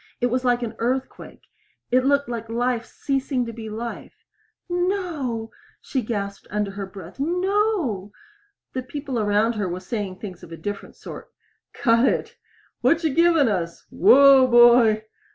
It was like an earthquake it looked like life ceasing to be life. "No!" she gasped under her breath. "No!" The people around her were saying things of a different sort. "Cut it!" "What you givin' us?" "Whoa, boy!"